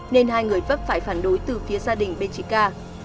nên hai người vấp phải phản đối từ phía gia đình bên trí ca